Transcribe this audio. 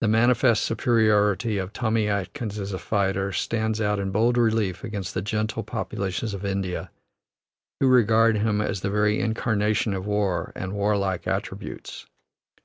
The manifest superiority of Tommy Atkins as a fighter stands out in bold relief against the gentle populations of India, who regard him as the very incarnation of war and warlike attributes.